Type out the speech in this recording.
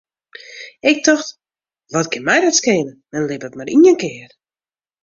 Ik tocht, wat kin my dat skele, men libbet mar ien kear.